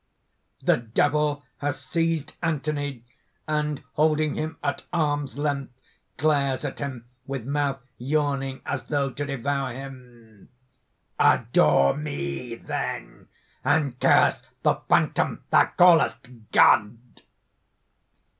(The Devil has seized Anthony, and, holding him at arms' length, glares at him with mouth yawning as though to devour him): "Adore me, then! and curse the phantom thou callest God!"